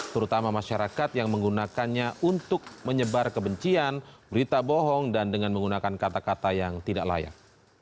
terutama masyarakat yang menggunakannya untuk menyebar kebencian berita bohong dan dengan menggunakan kata kata yang tidak layak